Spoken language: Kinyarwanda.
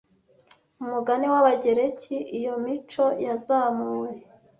Umugani w'Abagereki iyo mico yazamuwe